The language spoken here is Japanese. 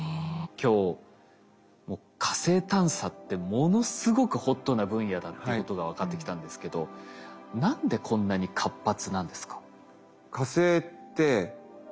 今日火星探査ってものすごくホットな分野だっていうことが分かってきたんですけど何でこんなに活発なんですか？